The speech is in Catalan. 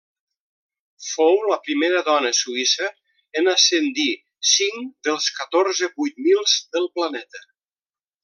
Fou la primera dona suïssa en ascendir cinc dels catorze vuit mils del planeta.